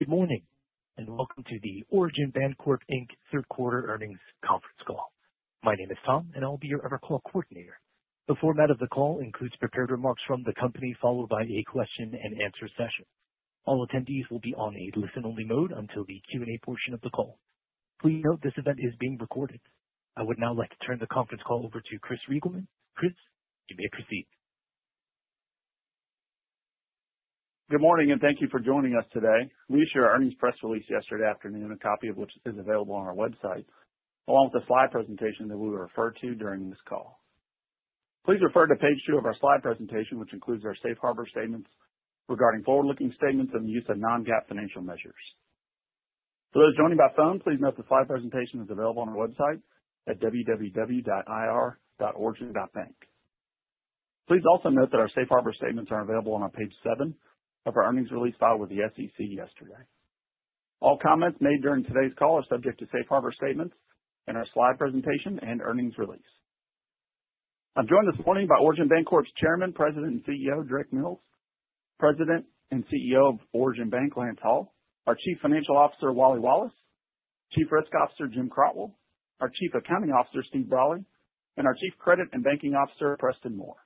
Good morning and welcome to the Origin Bancorp Inc Third Quarter Earnings Conference Call. My name is Tom and I'll be your EverCall Coordinator. The format of the call includes prepared remarks from the company followed by a question and answer session. All attendees will be on a listen-only mode until the Q&A portion of the call. Please note this event is being recorded. I would now like to turn the conference call over to Chris Reigelman. Chris, you may proceed. Good morning and thank you for joining us today. We issued our earnings press release yesterday afternoon, a copy of which is available on our website along with a slide presentation that we will refer to during this call. Please refer to page two of our slide presentation which includes our Safe Harbor statements regarding forward-looking statements and the use of non-GAAP financial measures. For those joining by phone, please note the slide presentation is available on our website at www.ir.origin.bank. Please also note that our Safe Harbor statements are available on page seven of our earnings release filed with the SEC yesterday. All comments made during today's call are subject to Safe Harbor statements in our slide presentation and earnings release. I'm joined this morning by Origin Bancorp's Chairman, President and CEO Drake Mills, President and CEO of Origin Bank, Lance Hall, our Chief Financial Officer, Wally Wallace, Chief Risk Officer, Jim Crotwell, our Chief Accounting Officer, Steve Brolly and our Chief Credit and Banking Officer, Preston Moore.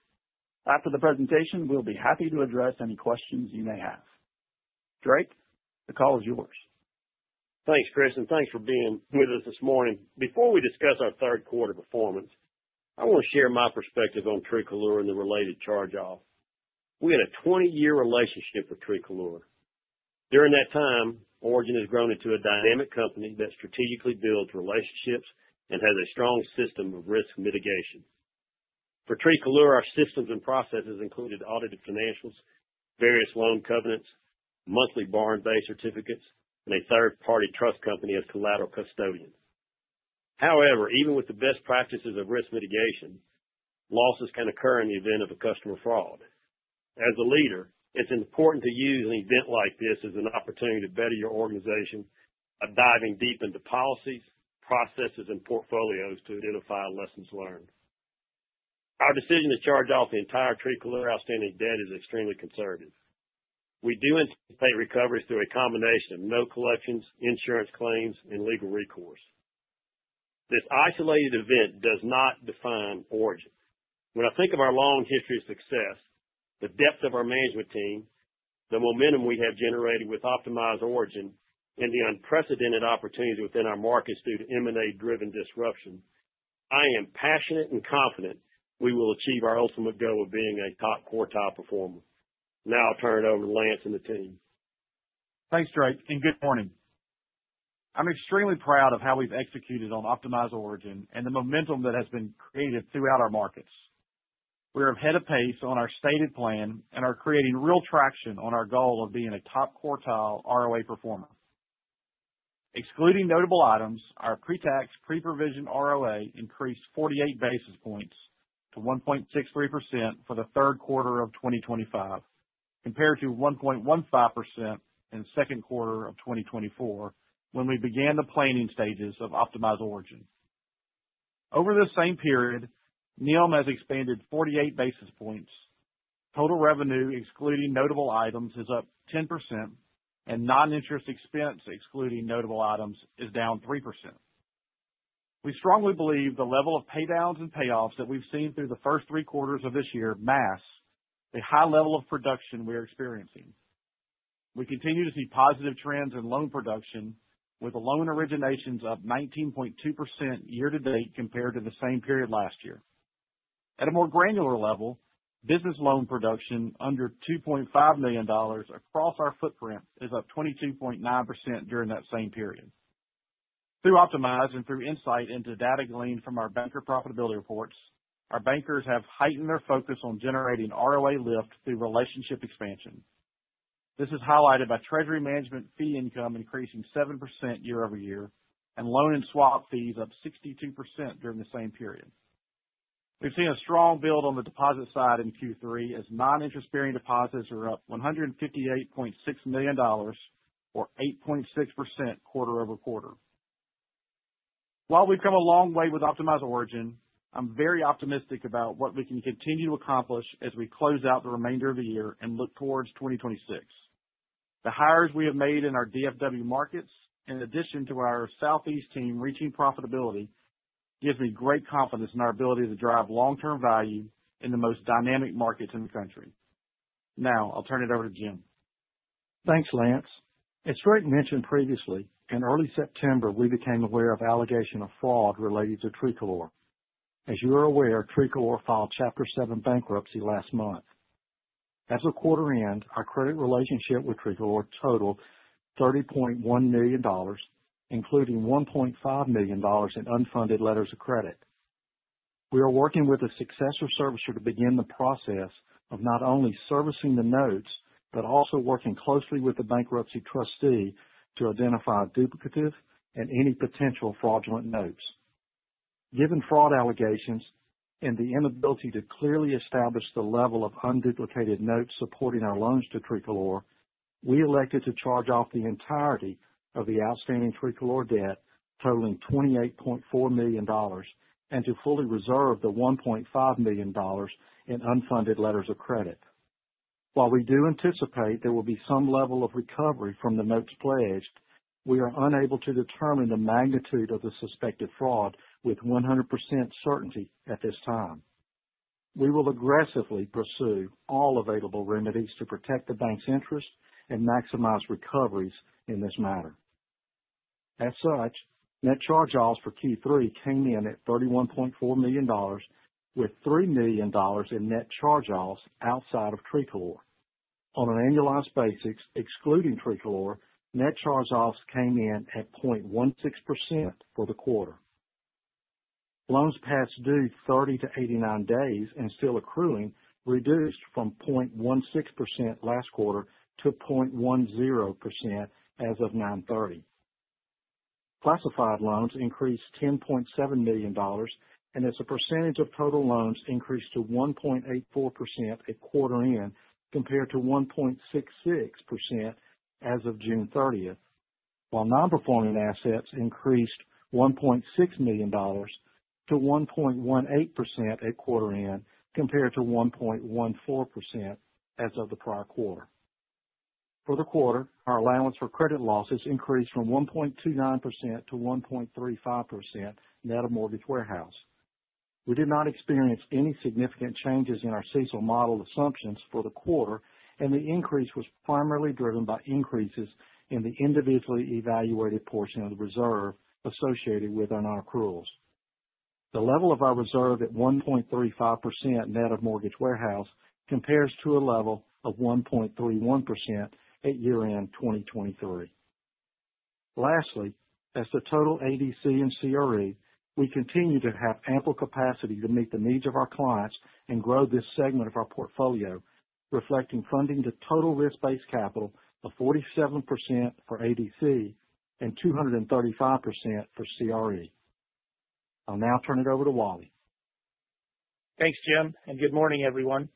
After the presentation, we'll be happy to address any questions you may have. Drake, the call is yours. Thanks, Chris, and thanks for being with us this morning. Before we discuss our third quarter performance, I want to share my perspective on Tricolor and the related charge-off. We had a 20-year relationship with Tricolor during that time. Origin has grown into a dynamic company that strategically builds relationships and has a strong system of risk mitigation. For Tricolor, our systems and processes included audited financials, various loan covenants, monthly borrowed certificates, and a third-party trust company as collateral custodian. However, even with the best practices of risk mitigation, losses can occur in the event of a customer fraud. As a leader, it's important to use an event like this as an opportunity to better your organization by diving deep into policies, processes, and portfolios to identify lessons learned. Our decision to charge-off the entire Tricolor outstanding debt is extremely conservative. We do anticipate recoveries through a combination of note collections, insurance claims and legal recourse. This isolated event does not define Origin. When I think of our long history of success, the depth of our management team, the momentum we have generated with Optimize Origin and the unprecedented opportunities within our markets due to M&A driven disruption, I am passionate and confident. We will achieve our ultimate goal of. Being a top quartile performer. Now I'll turn it over to Lance and the team. Thanks, Drake, and good morning. I'm extremely proud of how we've executed on Optimize Origin and the momentum that has been throughout our markets. We are ahead of pace on our stated plan and are creating real traction on our goal of being a top quartile ROA performer. Excluding notable items, our pre-tax pre-provision ROA increased 48 basis points to 1.63% for the third quarter of 2025 compared to 1.15% in the second quarter of 2024 when we began the planning stages of Optimize Origin. Over this same period, NIM has expanded 48 basis points. Total revenue excluding notable items is up 10% and noninterest expense excluding notable items is down 3%. We strongly believe the level of paydowns and payoffs that we've seen through the first three quarters of this year masks the high level of production we are experiencing. We continue to see positive trends in loan production with the loan originations up 19.2% year to date compared to the. Same period last year. At a more granular level, business loan production under $2.5 million across our footprint is up 22.9% during that same period. Through Optimize and through insight into data gleaned from our banker profitability reports, our bankers have heightened their focus on generating ROA lift through relationship expansion. This is highlighted by treasury management fee income increasing 7% year-over-year and loan and swap fees up 62% during the same period. We've seen a strong build on the deposit side in Q3 as noninterest-bearing deposits are up $158.6 million or 8.6% quarter-over-quarter. While we've come a long way with Optimize Origin, I'm very optimistic about what we can continue to accomplish as we close out the remainder of the year and look towards 2026. The hires we have made in our DFW markets, in addition to our Southeast team reaching profitability, gives me great confidence in our ability to drive long term value in the most dynamic markets in the country. Now I'll turn it over to Jim. Thanks, Lance. As Drake mentioned previously, in early September we became aware of allegations of fraud related to Tricolor. As you are aware, Tricolor filed Chapter 7 bankruptcy last month. As of quarter-end, our credit relationship with Tricolor totaled $30.1 million, including $1.5 million in unfunded letters of credit. We are working with a successor servicer to begin the process of not only servicing the notes, but also working closely with the bankruptcy trustee to identify duplicative and any potential fraudulent notes. Given fraud allegations and the inability to clearly establish the level of unduplicated notes supporting our loans to Tricolor, we elected to charge off the entirety of the outstanding Tricolor debt totaling $28.4 million and to fully reserve the $1.5 million in unfunded letters of credit. While we do anticipate there will be some level of recovery from the notes pledged, we are unable to determine the magnitude of the suspected fraud with 100% certainty at this time. We will aggressively pursue all available remedies to protect the bank's interest and maximize recoveries in this matter. As such, net charge offs for Q3 came in at $31.4 million with $3 million in net charge offs outside of Tricolor on an annualized basis excluding Tricolor, net charge offs came in at 0.16% for the quarter. Loans past due 30-89 days and still accruing reduced from 0.16% last quarter to 0.10% as of 9/30. Classified loans increased $10.7 million and as a percentage of total loans increased to 1.84% at quarter-end compared to 1.66% as of June 30, while nonperforming assets increased $1.6 million to 1.18% at quarter-end compared to 1.14% as of the prior quarter. For the quarter, our allowance for credit losses increased from 1.29%-1.35% net of mortgage warehouse. We did not experience any significant changes in our CECL model assumptions for the quarter and the increase was primarily driven by increases in the individually evaluated portion of the reserve associated with our nonaccruals. The level of our reserve at 1.35% net of mortgage warehouse compares to a level of 1.31% at quarter-end 2023. Lastly, as to the total ADC and CRE, we continue to have ample capacity to meet the needs of our clients and grow this segment of our portfolio, reflecting funding to total risk-based capital of 47% for ADC and 235% for CRE. I'll now turn it over to Wally. Thanks, Jim, and good morning, everyone.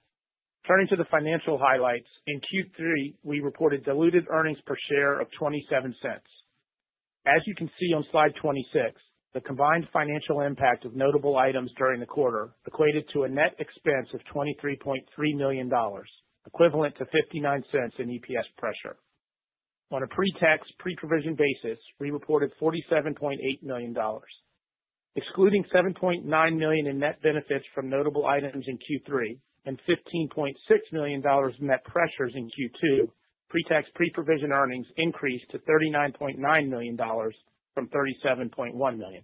Turning to the financial highlights in Q3, we reported diluted earnings per share of $0.27. As you can see on Slide 26, the combined financial impact of notable items during the quarter equated to a net expense of $23.3 million, equivalent to $0.59 in EPS pressure. On a pre-tax pre-provision basis, we reported $47.8 million excluding $7.9 million in net benefits from notable items in Q3 and $15.6 million in net pressures in Q2. Pre-tax pre-provision earnings increased to $39.9 million from $37.1 million.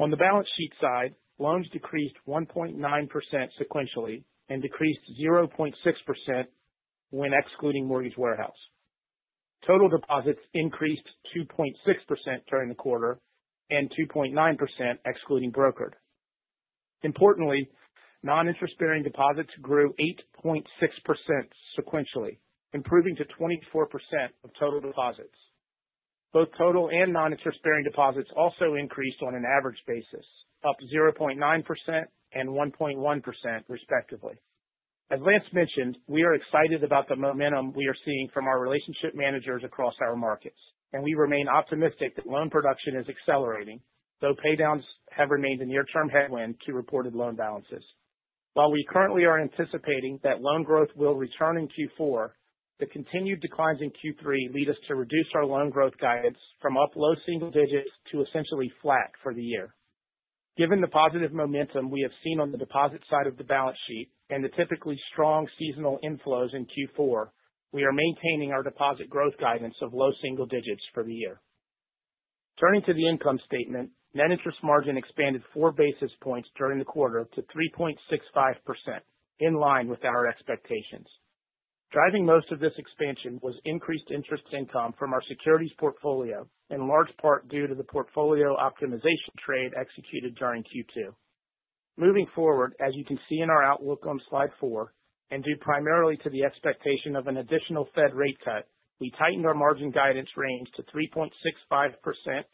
On the balance sheet side, loans decreased 1.9% sequentially and decreased 0.6% when excluding mortgage warehouse. Total deposits increased 2.6% during the quarter and 2.9% excluding brokered. Importantly, noninterest-bearing deposits grew 8.6% sequentially, improving to 24% of total deposits. Both total and noninterest-bearing deposits also increased on an average basis, up 0.9% and 1.1%, respectively. As Lance mentioned, we are excited about the momentum we are seeing from our relationship managers across our markets, and we remain optimistic that loan production is accelerating, though pay downs have remained a near-term headwind to reported loan balances. While we currently are anticipating that loan growth will return in Q4, the continued declines in Q3 lead us to reduce our loan growth guidance from up low single digits to essentially flat for the year. Given the positive momentum we have seen on the deposit side of the balance sheet and the typically strong seasonal inflows in Q4, we are maintaining our deposit growth guidance of low single digits for the year. Turning to the income statement, net interest margin expanded four basis points during the quarter to 3.65% in line with our expectations. Driving most of this expansion was increased interest income from our securities portfolio in large part due to the portfolio optimization trade executed during Q2. Moving forward, as you can see in our outlook on slide four and due primarily to the expectation of an additional Fed rate cut, we tightened our margin guidance range to 3.65%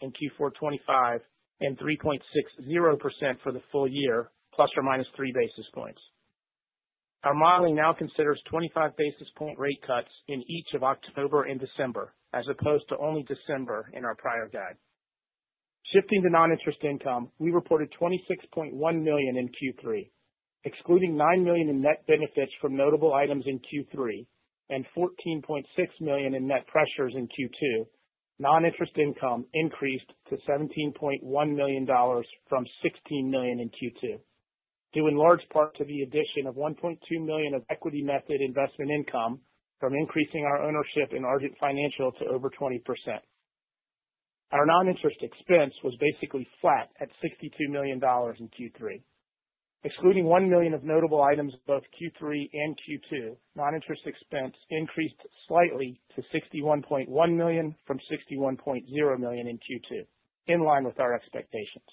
in Q4 2025 and 3.60% for the full year + or -3 basis points. Our modeling now considers 25 basis point rate cuts in each of October and December as opposed to only December in our prior guide. Shifting to noninterest income, we reported $26.1 million in Q3 excluding $9 million in net benefits from notable items in Q3 and $14.6 million in net pressures in Q2. Noninterest income increased to $17.1 million from $16 million in Q2 due in large part to the addition of $1.2 million of equity method investment income from increasing our ownership in Argent Financial to over 20%. Our noninterest expense was basically flat at $62 million in Q3. Excluding $1 million of notable items, both Q3 and Q2 noninterest expense increased slightly to $61.1 million from $61.0 million in Q2. In line with our expectations,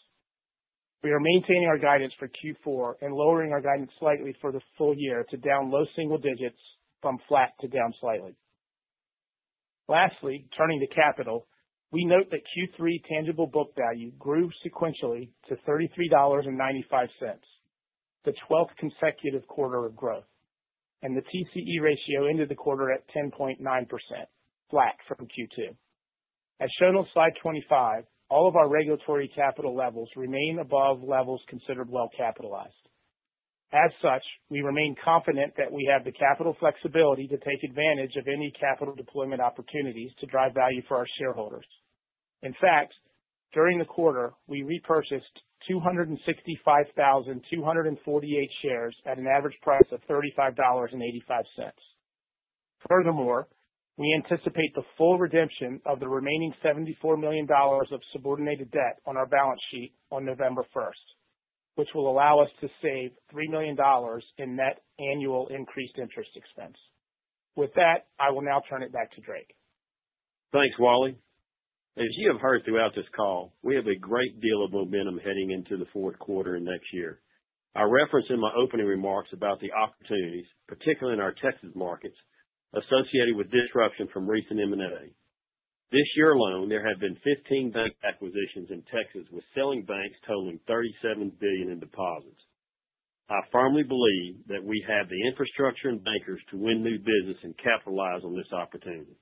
we are maintaining our guidance for Q4 and lowering our guidance slightly for the full year to down low single digits from flat to down slightly. Lastly, turning to capital, we note that Q3 tangible book value grew sequentially to $33.95, the 12th consecutive quarter of growth and the TCE ratio ended the quarter at 10.9% flat from Q2 as shown on slide 25. All of our regulatory capital levels remain above levels considered well capitalized. As such, we remain confident that we have the capital flexibility to take advantage of any capital deployment opportunities to drive value for our shareholders. In fact, during the quarter we repurchased 265,248 shares at an average price of $35.85. Furthermore, we anticipate the full redemption of the remaining $74 million of subordinated debt on our balance sheet on November 1st, which will allow us to save $3 million in net annual increased interest expense. With that, I will now turn it back to Drake. Thanks, Wally. As you have heard throughout this call, we have a great deal of momentum heading into the fourth quarter and next year. I referenced in my opening remarks about the opportunities, particularly in our Texas markets, associated with disruption from recent M&A. This year alone there have been 15 bank acquisitions in Texas with selling banks totaling $37 billion in deposits. I firmly believe that we have the infrastructure and bankers to win new business and capitalize on this opportunity.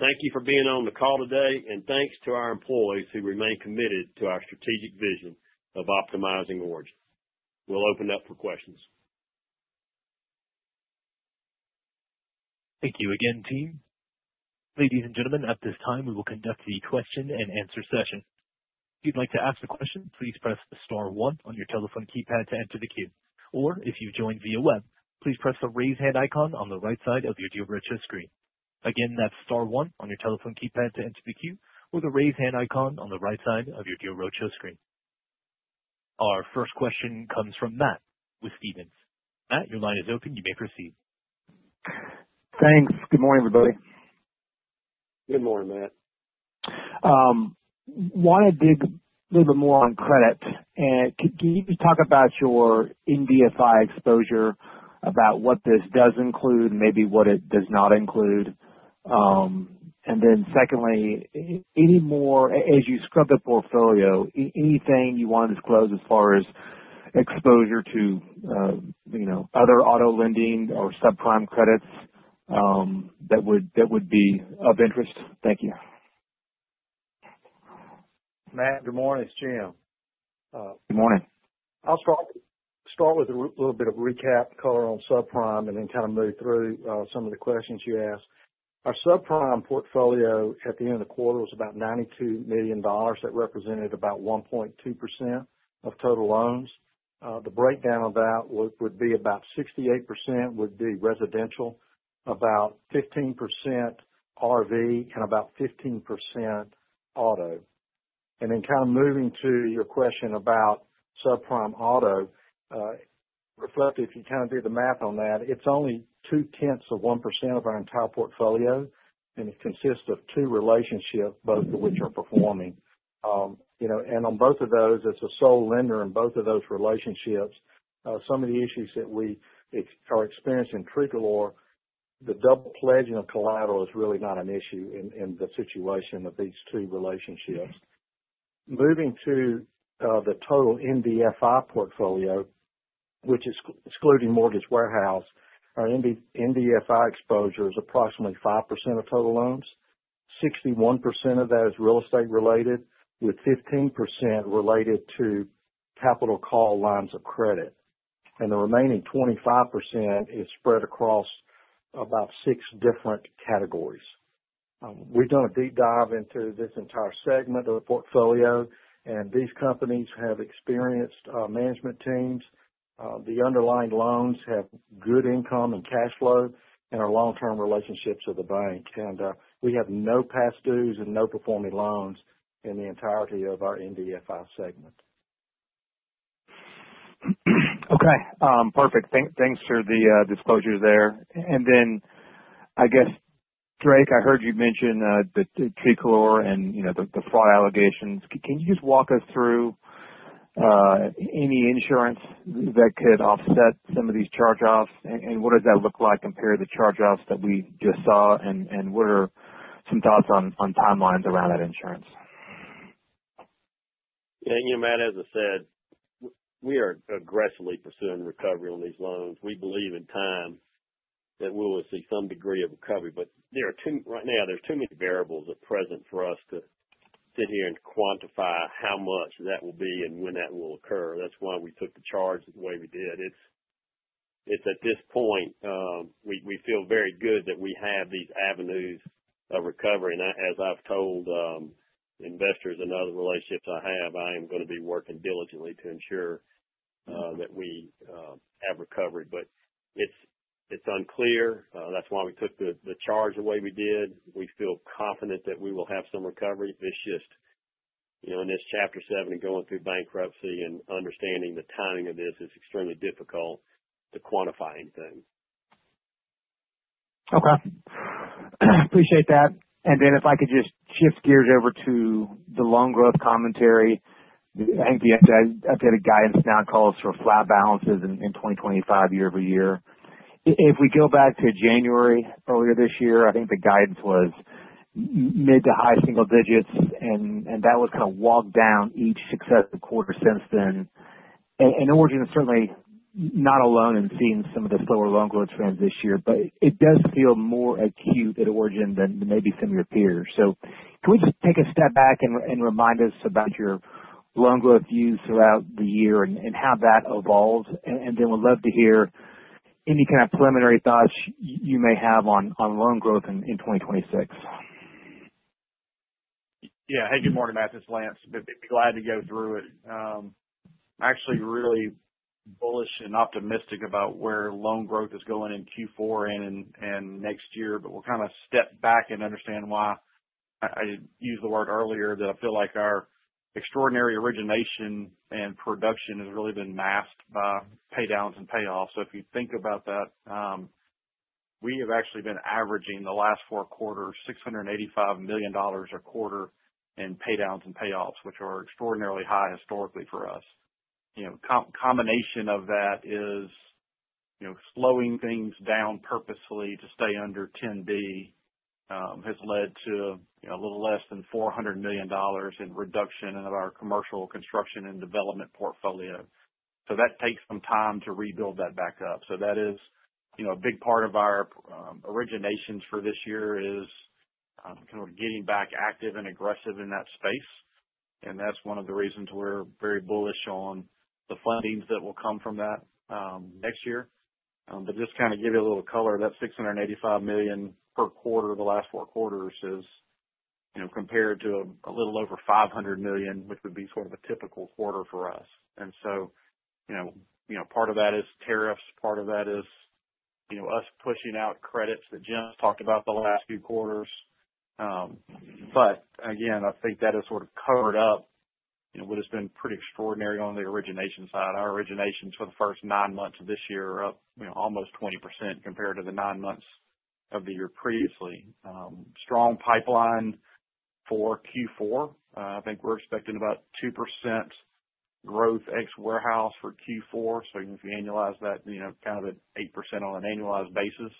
Thank you for being on the call today and thanks to our employees who remain committed to our strategic vision of Optimize Origin. We'll open up for questions. Thank you again team. Ladies and gentlemen, at this time we will conduct the question and answer session. If you'd like to ask a question, please press Star one on your telephone keypad to enter the queue. Or if you joined via web, please press the raise hand icon on the right side of your Deal Roadshow screen. Again, that's star one on your telephone keypad to enter the queue or the raise hand icon on the right side of your Deal Roadshow screen. Our first question comes from Matt with Stephens. Matt, your line is open. You may proceed. Thanks. Good morning everybody. Good morning, Matt. Want to dig a little bit more on credit. Can you talk about your NDFI exposure, about what this does include, maybe what it does not include. And then, secondly, any more as you scrub the portfolio, anything you want to disclose as far as exposure to other auto lending or subprime credits? That would be of interest. Thank you. Matt, good morning, it's Jim. Good morning. I'll start with a little bit of recap color on subprime and then kind of move through some of the questions you asked. Our subprime portfolio at the end of the quarter was about $92 million. That represented about 1.2% of total loans. The breakdown of that would be about 68% residential, about 15% RV and about 15% auto. And then kind of moving to your question about subprime auto relative, if you kind of do the math on that, it's only 0.2% of our entire portfolio and it consists of two relationships both of which are performing and. On both of those as a sole. Lender in both of those relationships, some of the issues that we are experiencing Tricolor, the double pledging of collateral is really not an issue in the situation of these two relationships. Moving to the total NDFI portfolio, which is excluding Mortgage Warehouse, our NDFI exposure is approximately 5% of total loans. 61% of that is real estate related with 15% related to capital call lines of credit, and the remaining 25% is spread across about six different categories. We've done a deep dive into this entire segment of the portfolio and these companies have experienced management teams. The underlying loans have good income and cash flow and are long term relationships with the bank, and we have no past dues and no non-performing loans in the entirety of our NDFI segment. Okay, perfect. Thanks for the disclosure there. And then I guess, Drake, I heard you mention the Tricolor and the fraud allegations. Can you just walk us through? Any insurance that could offset some of these charge-offs? And what does that look like compared to the charge-offs that we just saw? And what are some thoughts on timelines around that insurance? Matt, as I said, we are aggressively pursuing recovery on these loans. We believe in time that we will see some degree of recovery. But right now, there are too many variables at present for us to sit here and quantify how much that will be and when that will occur. That's why we took the charge the way we did. It's at this point we feel very good that we have these avenues recovery. And as I've told investors and other relationships I have, I am going to be working diligently to ensure that we have recovery. But it's unclear. That's why we took the charge the way we did. We feel confident that we will have some recovery. It's just in this Chapter 7 going through bankruptcy and understanding the timing of this, it's extremely difficult to quantify anything. Okay, appreciate that and then if I could just shift gears over to the loan growth commentary. I think the updated guidance now calls for flat balances in 2025 year-over-year. If we go back to January earlier this year, I think the guidance was mid-to-high single digits and that was kind of walked down each successive quarter since then. Origin is certainly not alone in seeing some of the slower loan growth trends this year, but it does feel more acute at Origin than maybe some of your peers, so can we just take a step back and remind us about your loan growth views throughout the year and how that evolves and then we'd love to hear any kind of preliminary thoughts you may have on loan growth in 2026. Yeah. Hey, good morning, Matt. It's Lance. Glad to go through it. Actually, really bullish and optimistic about where loan growth is going in Q4 and next year. But we'll kind of step back and understand why I used the word earlier that I feel like our extraordinary origination and production has really been masked by pay downs and payoffs. So if you think about that, we have actually been averaging the last four quarters, $685 million a quarter, and pay downs and payoffs, which are extraordinarily high historically for us. Combination of that is slowing things down purposely to stay under 10B has led to a little less than $400 million in reduction of our commercial construction and development portfolio. So that takes some time to rebuild that back up. So that is a big part of our originations for this year is getting back active and aggressive in that space. And that's one of the reasons we're very bullish on the fundings that will come from that next year. But just kind of give you a little color. That $685 million per quarter, the last four quarters is compared to a little over $500 million, which would be sort. Of a typical quarter for us. And so part of that is tariffs. Part of that is us pushing out credits that Jim talked about the last few quarters. But again, I think that has sort of covered up what has been pretty extraordinary on the origination side. Our originations for the first nine months of this year are up almost 20% compared to the nine months of the previous year. Strong pipeline for Q4. I think we're expecting about 2% growth ex warehouse for Q4. So if you annualize that kind of 8% on an annualized basis,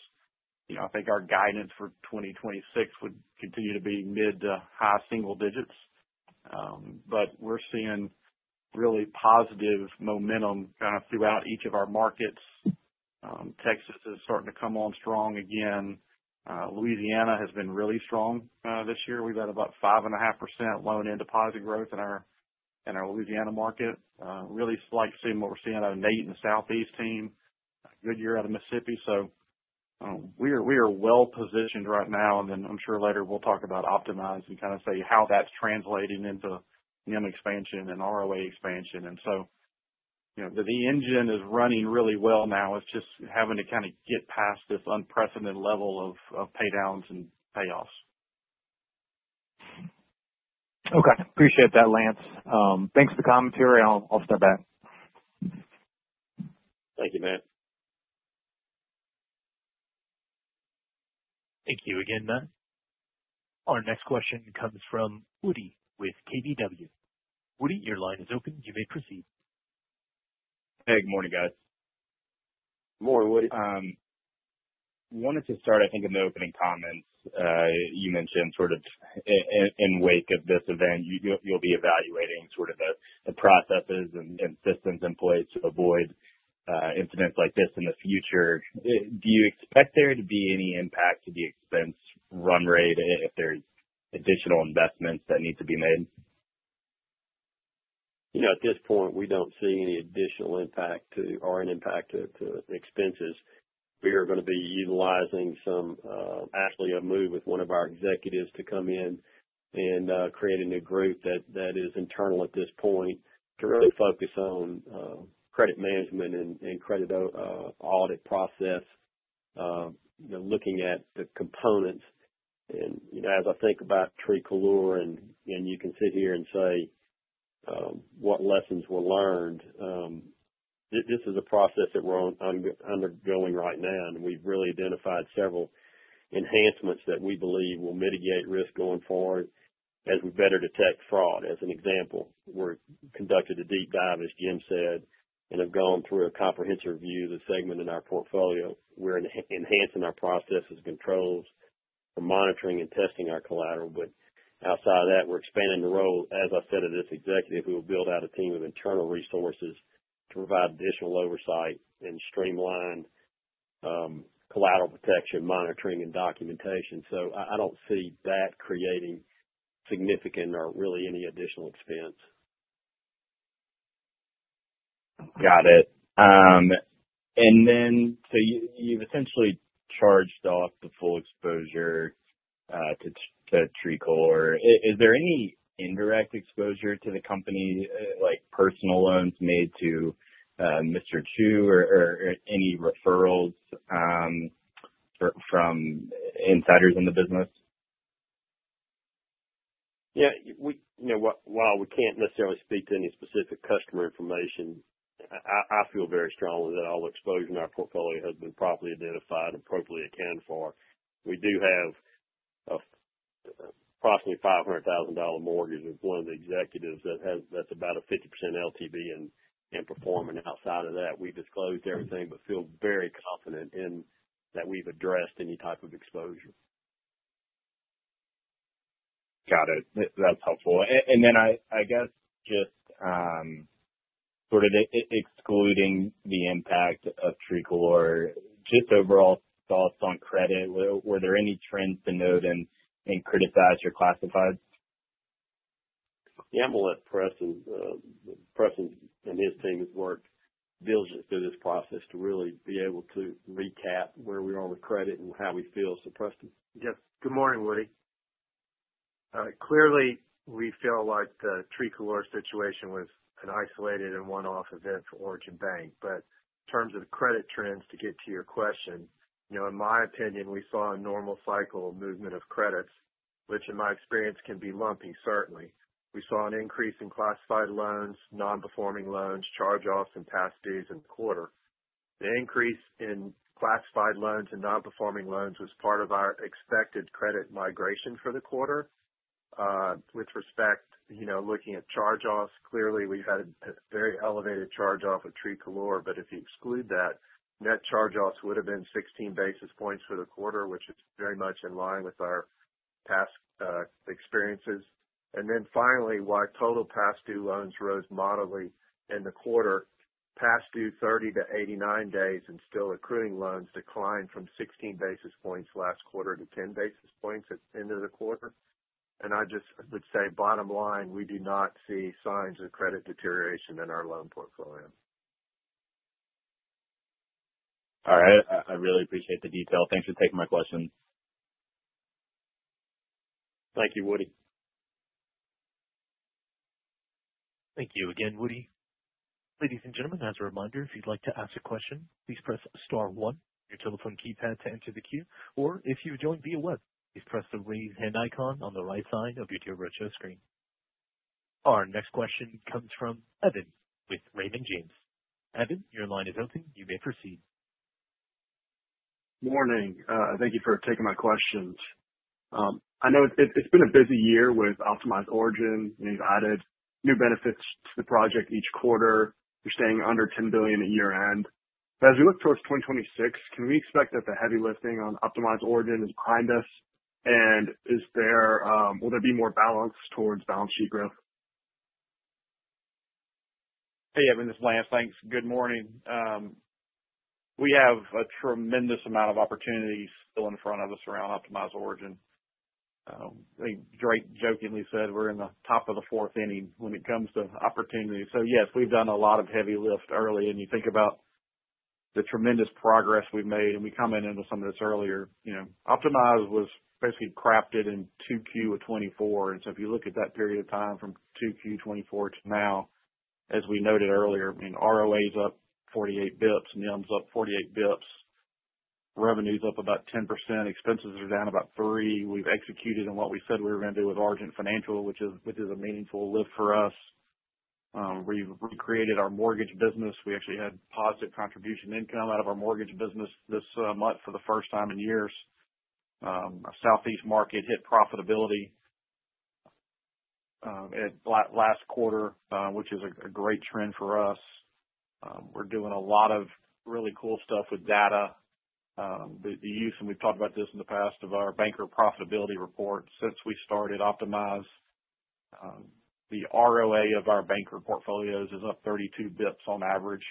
I think our guidance for 2026 would continue to be mid to high single digits. But we're seeing really positive momentum throughout each of our markets. Texas is starting to come on strong again. Louisiana has been really strong this year. We've had about 5.5% loan and deposit growth in our Louisiana market. Really like seeing what we're seeing out of Nate and the Southeast team. Good year out of Mississippi. So we are well positioned right now. And then I'm sure later we'll talk about Optimize and kind of say how that's translating into NIM expansion and ROA expansion. And so the engine is running really well now. It's just having to kind of get past this unprecedented level of pay downs and payoffs. Okay, appreciate that, Lance. Thanks for the commentary. I'll step back. Thank you, Matt. Thank you again, Matt. Our next question comes from Woody with KBW. Woody, your line is open. You may proceed. Hey, good morning guys. Good morning, Woody. Wanted to start, I think in. The opening comments you mentioned sort of in wake of this event you'll be evaluating sort of the processes and systems in place to avoid incidents like this in the future. Do you expect there to be any impact to the expense run rate if there's additional investments that need to be made? You know, at this point, we don't see any additional impact or an impact to expenses. We are going to be utilizing some actually a move with one of our executives to come in and create a new group that is internal at this point to really focus on credit management and credit audit process. Looking at the components as I think about Tricolor and you can sit here and say what lessons were learned. This is a process that we're undergoing right now and we've really identified several enhancements that we believe will mitigate risk going forward as we better detect fraud. As an example, we conducted a deep dive as Jim said and have gone through a comprehensive review of the segment in our portfolio. We're enhancing our process controls for monitoring and testing our collateral. But outside of that we're expanding the role as I said at this executive. We will build out a team of internal resources to provide additional oversight and streamline collateral protection, monitoring and documentation. So I don't see that creating significant or really any additional expense. Got it. And then so you've essentially charged off the full exposure to Tricolor. Is there any indirect exposure to the company like personal loans made to Mr. Chu or any referrals? From insiders in the business? Yeah. While we can't necessarily speak to any specific customer information, I feel very strongly that all exposure in our portfolio has been properly identified and appropriately accounted for. We do have. Approximately $500,000 mortgage with one of the executives. That's about a 50% LTV in performance. Outside of that, we disclosed everything but feel very confident in that we've addressed any type of exposure. Got it. That's helpful. And then I guess just. Sort of excluding the impact of Tricolor. Just overall thoughts on credit, were there any trends to note and criticize or classify? I'm going to let Preston. Preston and his team has worked diligent through this process to really be able to recap where we are with credit and how we feel. So, Preston. Yes. Good morning, Woody. Clearly we feel like the Tricolor situation was an isolated and one-off event for Origin Bank, but in terms of the credit trends, to get to your question, in my opinion we saw a normal cycle movement of credits, which in my experience can be lumpy. Certainly we saw an increase in classified loans, nonperforming loans, charge-offs and past dues in the quarter. The increase in classified loans and nonperforming loans was part of our expected credit migration for the quarter. With respect, looking at charge-offs, clearly we had a very elevated charge-off with Tricolor, but if you exclude that net charge-offs would have been 16 basis points for the quarter, which is very much in line with our past experiences. And then finally, while total past due loans rose modestly in the quarter, past due 30-89 days and still accruing loans declined from 16 basis points last quarter to 10 basis points at the end of the quarter, and I just would say, bottom line, we do not see signs of credit deterioration in our loan portfolio. All right. I really appreciate the detail. Thanks for taking my questions. Thank you, Woody. Thank you again, Woody. Ladies and gentlemen, as a reminder, if you'd like to ask a question, please press Star one on your telephone keypad to enter the queue, or if you join via web, please press the raise hand icon on the right side of your Deal Roadshow screen. Our next question comes from Evan with Raymond James. Evan, your line is open. You may proceed. Morning. Thank you for taking my questions. I know it's been a busy year with Optimize Origin. You've added new benefits to the project each quarter. You're staying under $10 billion at quarter-end. But as we look towards 2026, can we expect that the heavy lifting on? Optimize Origin is behind us and will there be more balance towards balance sheet growth? Hey Evan, this is Lance. Thanks. Good morning. We have a tremendous amount of opportunities still in front of us around Optimize Origin. Drake jokingly said we're in the top of the fourth inning when it comes to opportunities. So yes, we've done a lot of heavy lifting early and you think about the tremendous progress we've made and we commented on some of this earlier. Optimize was basically crafted in 2Q of 2024. So if you look at that period of time from Q4-Q2 2024 to now, as we noted earlier, ROA's up. points, NIM's up 48 basis points, revenues up about. 10%, expenses are down about 3%. We've executed on what we said we were going to do with Argent Financial, which is a meaningful lift for us. We recreated our mortgage business. We actually had positive contribution income out of our mortgage business this month for the first time in years. Southeast market hit profitability. Last quarter, which. Is a great trend for us. We're doing a lot of really cool stuff with data. The use, and we've talked about this in the past, of our Banker Profitability Report. Since we started Optimize, the ROA of our banker portfolios is up 32 basis points on average,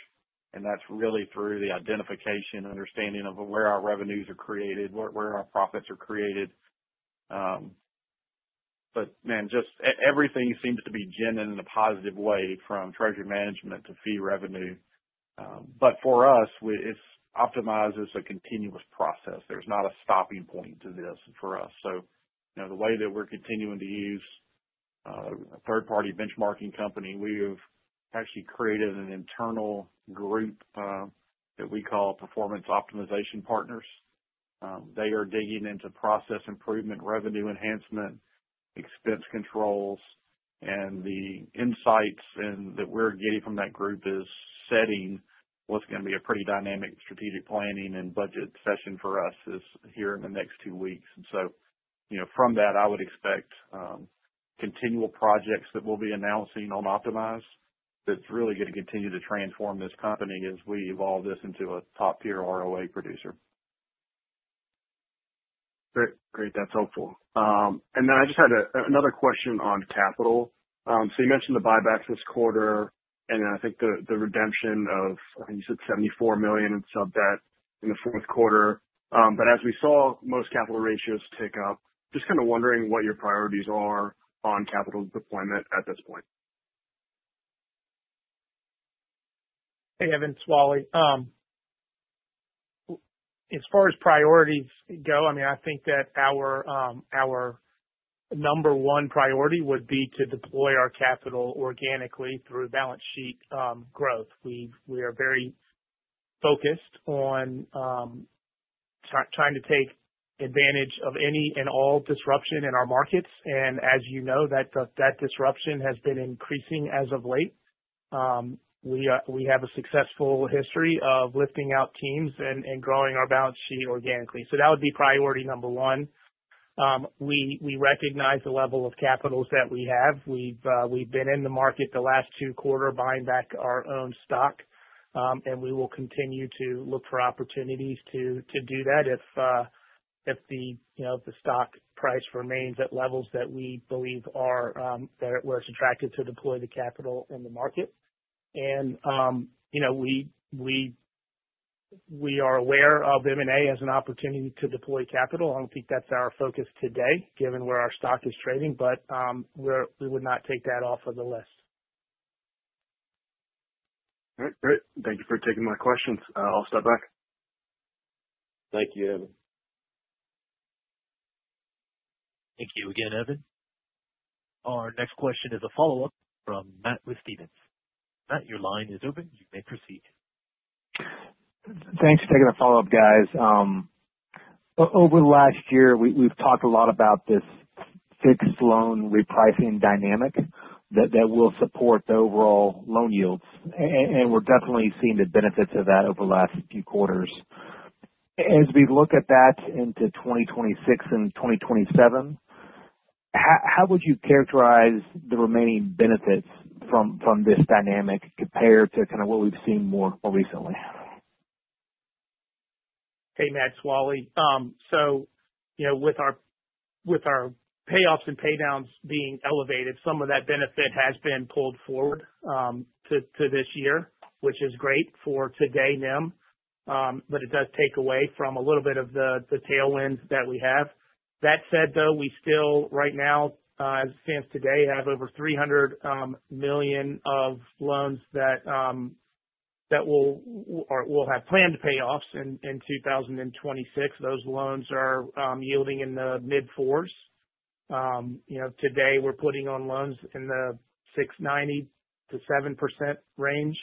and that's really through the identification, understanding of where our revenues are created, where our profits are created. But, man, just everything seems to be humming in a positive way from treasury management to fee revenue. But for us, Optimize is a continuous process. There's not a stopping point to this for us. So the way that we're continuing to use a third-party benchmarking company, we have actually created an internal group that we call Performance Optimization Partners. They are digging into process improvement, revenue enhancement, expense controls, and the insights that we're getting from that group is setting what's going to be a pretty dynamic strategic planning and budget session for us here in the next two weeks. So from that I would expect continual projects that we'll be announcing on Optimize. That's really going to continue to transform this company as we evolve this into. A top-tier ROA producer. Great, that's helpful. And then I just had another question on capital. So you mentioned the buybacks this quarter. And I think the redemption of you said $74 million in sub debt in the fourth quarter. But as we saw, most capital ratios tick up. Just kind of wondering what your priorities are on capital deployment at this point. Hey, Evan, this is Wally. As far as priorities go, I mean, I think that our number one priority would be to deploy our capital organically through balance sheet growth. We are very focused on. Trying to take advantage of any and all disruption in our markets, and as you know, that disruption has been increasing as of late. We have a successful history of lifting out teams and growing our balance sheet organically. So that would be priority number one. We recognize the level of capital that we have. We've been in the market the last two quarters buying back our own stock and we will continue to look for opportunities to do that if. The stock price remains at levels that we believe where it's attractive to deploy the capital in the market. We are aware of M&A as an opportunity to deploy capital. I don't think that's our focus today, given where our stock is trading, but we would not take that off of the list. All right, great. Thank you for taking my questions. I'll step back. Thank you, Evan. Thank you again, Evan. Our next question is a follow up from Matt with Stephens. Matt, your line is open. You may proceed. Thanks for taking a follow up, guys. Over the last year, we've talked a lot about this fixed loan repricing dynamic that will support the overall loan yields, and we're definitely seeing the benefits of that over the last few quarters. As we look at that into 2026 and 2027, how would you characterize the remaining benefits from this dynamic compared to? Kind of what we've seen more recently? Hey, Matt. So. With our payoffs and pay downs being elevated, some of that benefit has been pulled forward to this year, which is great for today, NIM, but it does take away from a little bit of the tailwinds that we have. That said, though, we still right now, as it stands today, have over 300 million of loans that. Will have planned payoffs in 2026. Those loans are yielding in the mid-4s. Today we're putting on loans in the 6.90-7% range.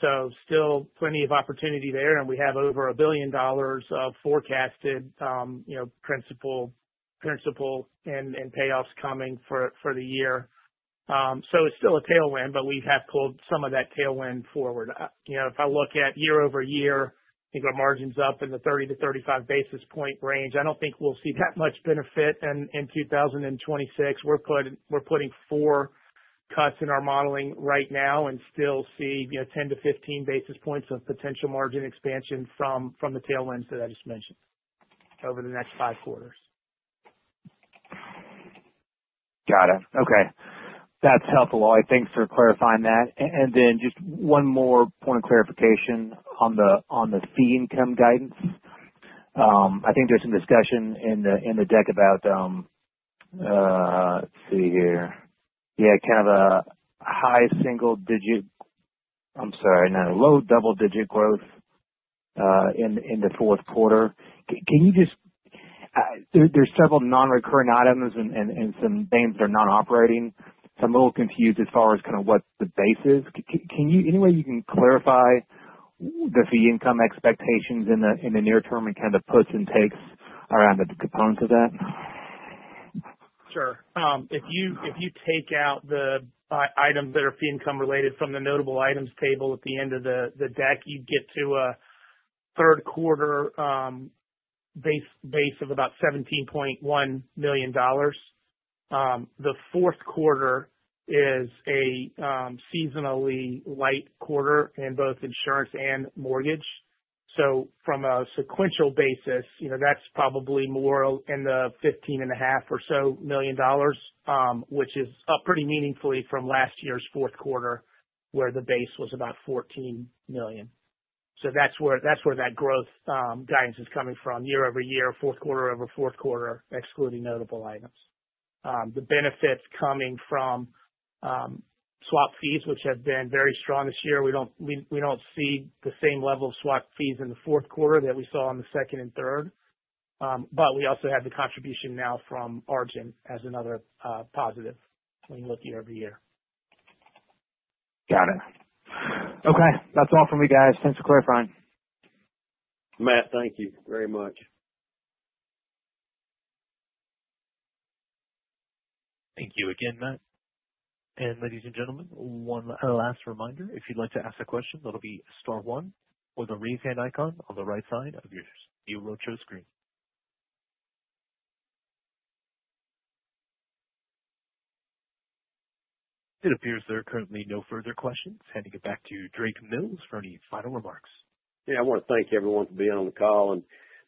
So still plenty of opportunity there, and we have over $1 billion of forecasted principal and payoffs coming for the year. So it's still a tailwind, but we have pulled some of that tailwind forward. If I look at year-over-year, margin's up in the 30-35 basis point range. I don't think we'll see that much benefit in 2026. We're putting four cuts in our modeling right now and still see 10-15 basis points of potential margin expansion from the tailwinds that I just mentioned over the next five quarters. Got it. Okay, that's helpful, Wally. Thanks for clarifying that. And then just one more point of clarification on the fee income guidance. I think there's some discussion in the deck about. Let's see here. Yeah, kind of a high single-digit growth. Low double-digit growth. In the fourth quarter. Can you just. There's several non-recurring items and some NIMs that are not operating. So I'm a little confused as far as kind of what the base is. Can you. Anyway, you can clarify the fee income expectations in the near term and kind of puts and takes around the components of that. Sure. If you take out the items that are fee income related from the notable items table at the end of the deck, you get to a third quarter. Base of about $17.1 million. The fourth quarter is a seasonally light quarter in both insurance and mortgage. So from a sequential basis, that's probably more in the $15.5 million or so, which is up pretty meaningfully from last year's fourth quarter where the base was about $14 million. So that's where that growth guidance is coming from year-over-year, fourth quarter over fourth quarter, excluding notable items. The benefits coming from swap fees, which have been very strong this year. We don't see the same level of swap fees in the fourth quarter that we saw in the second and third. But we also have the contribution now from Origin as another positive when you look year-over-year. Got it. Okay, that's all from me, guys. Thanks for clarifying, Matt. Thank you very much. Thank you again, Matt. And ladies and gentlemen, one last reminder, if you'd like to ask a question, that'll be star one or the raise hand icon on the right side of your roadshow screen. It appears there are currently no further questions. Handing it back to Drake Mills for any final remarks. Yeah, I want to thank everyone for being on the call, and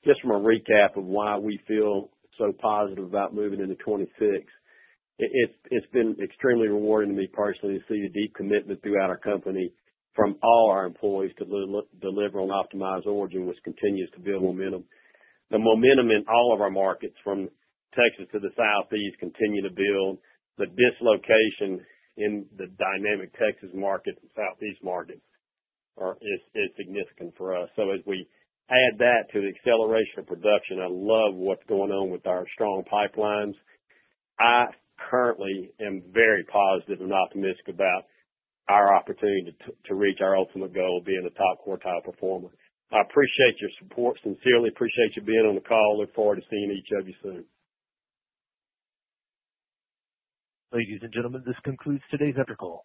just from a recap of why we feel so positive about moving into 2026, it's been extremely rewarding to me personally to see the deep commitment throughout our company from all our employees to deliver on Optimize Origin, which continues to build momentum. The momentum in all of our markets from Texas to the Southeast continue to build the dislocation in the dynamic Texas market. Southeast market is significant for us, so as we add that to the acceleration of production, I love what's going on with our strong pipelines. I currently am very positive and optimistic about our opportunity to reach our ultimate goal, being a top quartile performer. I appreciate your support. Sincerely appreciate you being on the call. Look forward to seeing each of you soon. Ladies and gentlemen, this concludes today's EverCall.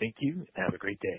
Thank you and have a great day.